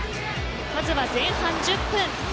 まず前半１０分。